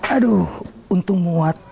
aduh untung muat